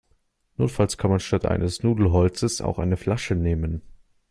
Notfalls kann man statt eines Nudelholzes auch eine Flasche nehmen.